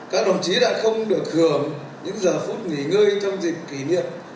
các đồng chí đã không được hưởng những giờ phút nghỉ ngơi trong dịp kỷ niệm